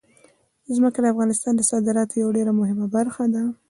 ځمکه د افغانستان د صادراتو یوه ډېره مهمه برخه ده.